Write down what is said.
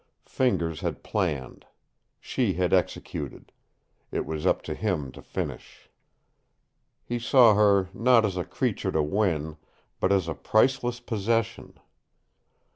Fingers had planned. She had executed. It was up to him to finish. He saw her, not as a creature to win, but as a priceless possession.